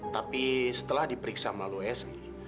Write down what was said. tapi setelah diperiksa melalui si